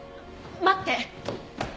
待って。